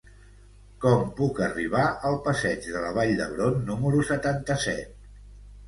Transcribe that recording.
Com puc arribar al passeig de la Vall d'Hebron número setanta-set?